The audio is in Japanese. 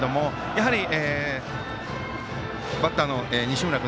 やはり、バッターの西村君